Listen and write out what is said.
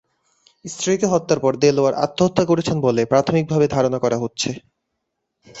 স্ত্রীকে হত্যার পর দেলোয়ার আত্মহত্যা করেছেন বলে প্রাথমিকভাবে ধারণা করা হচ্ছে।